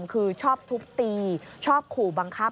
คือชอบทุบตีชอบขู่บังคับ